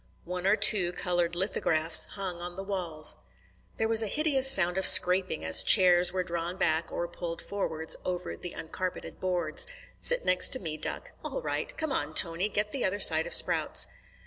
One or two coloured lithographs hung on the walls. There was a hideous sound of scraping as chairs were drawn back or pulled forwards over the uncarpeted boards. "Sit next me, duck." "All right. Come on, Tony; get the other side of Sprouts."